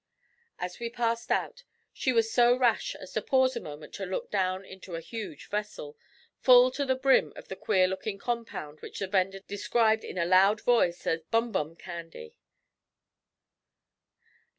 As we passed out she was so rash as to pause a moment to look down into a huge vessel, full to the brim of the queer looking compound which the vendor described in a loud voice as 'bum bum candy.'